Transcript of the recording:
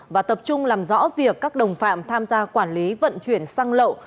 và tập trung làm rõ việc các đồng phạm tham gia quản lý vận chuyển xăng lậu